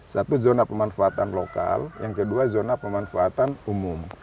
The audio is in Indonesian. satu zona pemanfaatan lokal yang kedua zona pemanfaatan umum